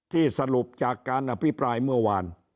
สรุปจากการอภิปรายเมื่อวาน